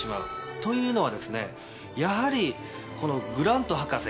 というのはですねやはりこのグラント博士。